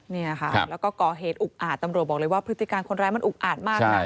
เนี่ยค่ะแล้วก็ก่อเหตุอุกอาจตำรวจบอกเลยว่าพฤติการคนร้ายมันอุกอาดมากนะ